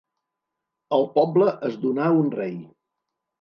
El poble es donà un rei.